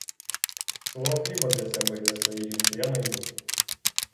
Свого хліба для себе і для своєї жінки я найду.